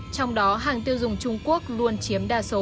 trong đó hàng tiêu dùng trung quốc luôn chiếm đa số